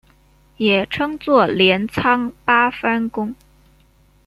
也称作镰仓八幡宫。